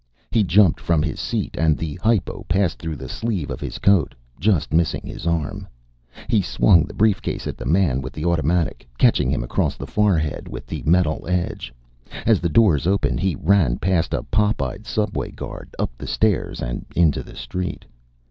He jumped from his seat and the hypo passed through the sleeve of his coat, just missing his arm. He swung the briefcase at the man with the automatic, catching him across the forehead with the metal edge. As the doors opened, he ran past a popeyed subway guard, up the stairs and into the street.